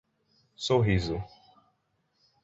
Sorriso